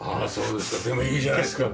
でもいいじゃないですか。